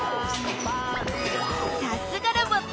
さすがロボット！